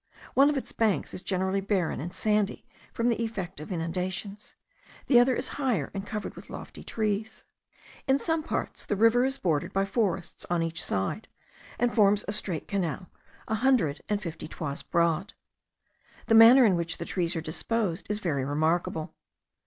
One of its banks is generally barren and sandy from the effect of inundations; the other is higher, and covered with lofty trees. In some parts the river is bordered by forests on each side, and forms a straight canal a hundred and fifty toises broad. The manner in which the trees are disposed is very remarkable.